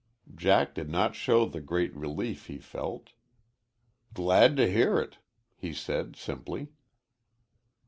Jack did not show the great relief he felt. "Glad to hear it," he said simply.